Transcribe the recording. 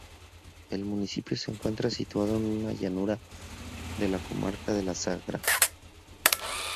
El municipio se encuentra situado en una llanura de la comarca de La Sagra.